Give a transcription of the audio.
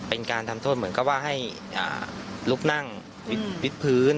เป็นการทำโทษเหมือนกับว่าให้ลุกนั่งวิดพื้น